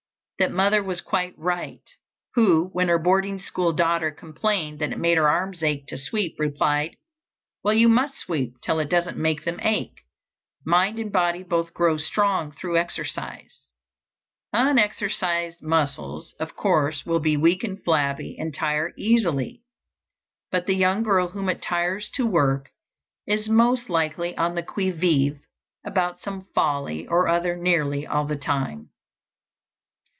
That mother was quite right, who, when her boarding school daughter complained that it made her arms ache to sweep, replied: "Well, you must sweep till it doesn't make them ache." Mind and body both grow strong through exercise. Unexercised muscles, of course, will be weak and flabby and tire easily. But the young girl whom it tires to work is most likely on the qui vive about some folly or other nearly all the time.